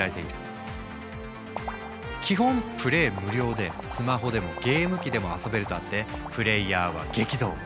無料でスマホでもゲーム機でも遊べるとあってプレイヤーは激増。